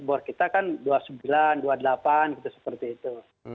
bor kita kan dua puluh sembilan dua puluh delapan gitu seperti itu